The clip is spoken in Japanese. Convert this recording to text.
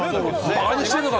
ばかにしてるのか！